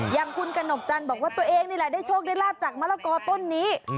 อย่างคุณกระหนกจันทร์บอกว่าตัวเองนี่แหละได้โชคได้ลาบจากมะละกอต้นนี้